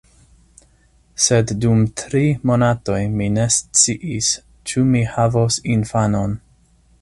Sed dum tri monatoj mi ne sciis, ĉu mi havos infanon.